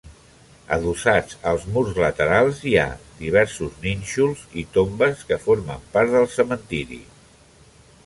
Adossats als murs laterals hi ha diversos nínxols i tombes que formen part del cementiri.